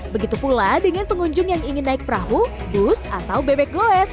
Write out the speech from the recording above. begitu pula dengan pengunjung yang ingin naik perahu bus atau bebek goes